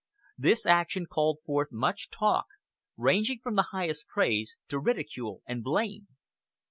This action called forth much talk, ranging from the highest praise to ridicule and blame.